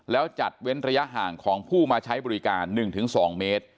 แล้วจัดเว้นระยะห่างของผู้มาใช้บริการ๑๒เมตร